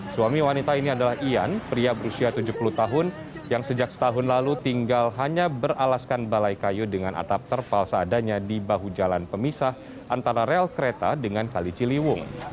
suami wanita ini adalah ian pria berusia tujuh puluh tahun yang sejak setahun lalu tinggal hanya beralaskan balai kayu dengan atap terpal seadanya di bahu jalan pemisah antara rel kereta dengan kali ciliwung